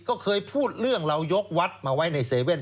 ก็เคยพูดเรื่องเรายกวัดมาไว้ใน๗๑๑